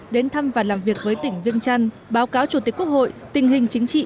đến thăm và làm việc với tỉnh viên trăn báo cáo chủ tịch quốc hội tình hình chính trị